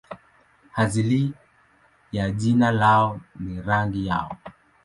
Asili ya jina lao ni rangi yao.